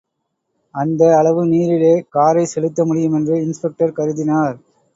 அந்த அளவு நீரிலே காரைச் செலுத்த முடியுமென்று இன்ஸ்பெக்டர் கருதினார்.